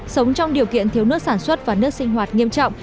sống trong điều kiện thiếu nước sản xuất và nước sinh hoạt nghiêm trọng